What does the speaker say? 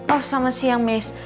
oh selamat siang miss